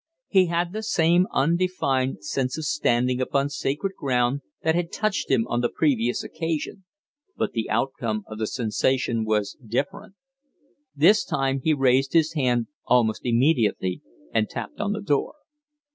He had the same undefined sense of standing upon sacred ground that had touched him on the previous occasion, but the outcome of the sensation was different. This time he raised his hand almost immediately and tapped on the door.